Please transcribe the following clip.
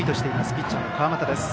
ピッチャーの川又です。